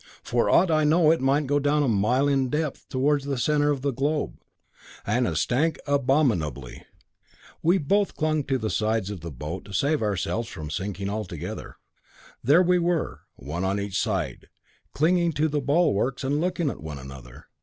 For aught I know it might go down a mile in depth towards the centre of the globe, and it stank abominably. We both clung to the sides of the boat to save ourselves from sinking altogether. There we were, one on each side, clinging to the bulwarks and looking at one another.